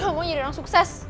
aku cuma mau jadi orang sukses